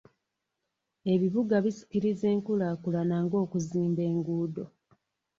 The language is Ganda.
Ebibuga bisikiriza enkulaakulana ng'okuzimba enguudo.